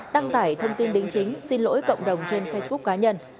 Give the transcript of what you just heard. đăng tải thông tin đính chính xin lỗi cộng đồng trên facebook cá nhân